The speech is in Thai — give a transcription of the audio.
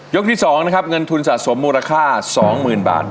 ที่๒นะครับเงินทุนสะสมมูลค่า๒๐๐๐บาท